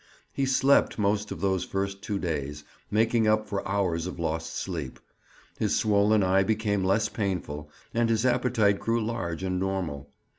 He slept most of those first two days, making up for hours of lost sleep. His swollen eye became less painful and his appetite grew large and normal.